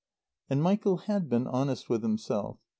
And Michael had been honest with himself.